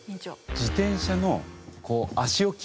自転車のこう足置き。